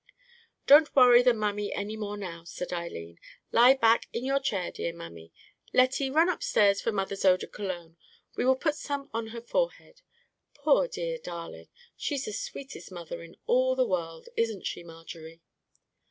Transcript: "Don't worry the mammy any more now," said Eileen. "Lie back in your chair, dear mammy. Lettie, run upstairs for mother's eau de Cologne; we will put some on her forehead. Poor dear darling, she's the sweetest mother in all the world; isn't she, Marjorie?"